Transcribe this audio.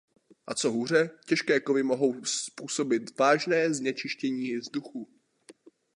A co hůře, těžké kovy mohou způsobit vážné znečištění vzduchu.